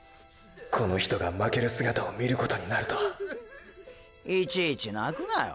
この人が負ける姿を見ることになるとはーーいちいち泣くなヨ。